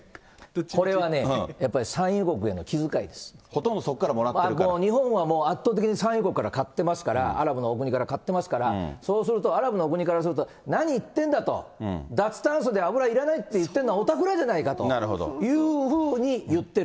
これはね、やっぱり産油国へほとんどそこからもらってる日本はもう、圧倒的に産油国から買ってますから、アラブのお国から買ってますから、そうすると、アラブのお国からすると、何言ってるんだと、脱炭素で油いらないって言ってるのはお宅らじゃないかというふうに言ってる。